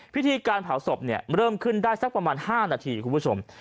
พิธีการเผาศพเริ่มขึ้นได้สักประมาณ๕นาทีคุณผู้ชม